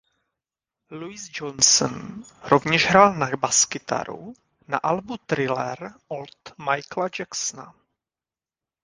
Louis Johnson rovněž hrál na baskytaru na albu "Thriller" od Michaela Jacksona.